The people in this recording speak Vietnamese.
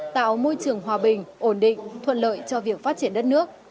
tạo môi trường hòa bình ổn định thuận lợi cho việc phát triển đất nước